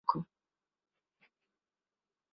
এর প্রথম গ্রন্থাগারিক ছিলেন ঢাকা কলেজের তৎকালীন অধ্যক্ষ।